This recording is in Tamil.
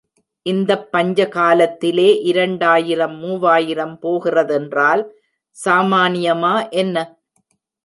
இந்தப் பஞ்சகாலத்திலே இரண்டாயிரம் மூவாயிரம் போகிறதென்றால் சாமானியமா என்ன?